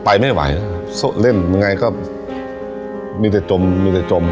ไปไม่ไหวโซะเล่มยังไงก็มีแต่จมมีแต่จม